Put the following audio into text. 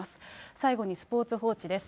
最後にスポーツ報知です。